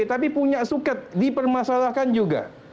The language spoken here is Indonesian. tapi punya suket dipermasalahkan juga